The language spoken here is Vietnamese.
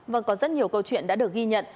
vâng có rất nhiều câu chuyện đã được ghi nhận